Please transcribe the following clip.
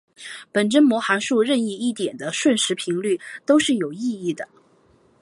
本征模函数任意一点的瞬时频率都是有意义的。